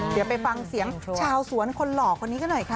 เดี๋ยวไปฟังเสียงชาวสวนคนหล่อคนนี้กันหน่อยค่ะ